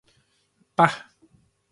ป่ะ?